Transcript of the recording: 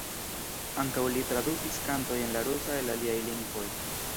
Ankaŭ li tradukis kantoj en la rusa el aliaj lingvoj.